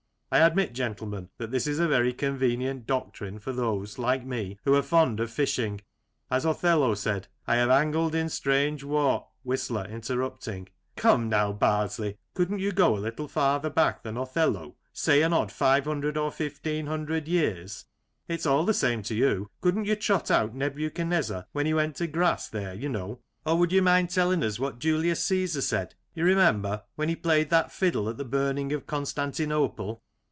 I admit, gentlemen, that this is a very convenient doctrine for those, like me, who are fond of fishing. As Othello said :" I have angled in strange wa — Whistler {interrupting) : Come, now, Bardsley, couldn't you go a little farther back than Othello ? Say an odd five hundred or fifteen hundred years — it's all the same to you. Couldn't you trot out Nebuchadnezzar, when he went to grass, there, you know? Or, would you mind telling us what Julius Caesar said, you remember, when he played that fiddle at the burning of Constantinople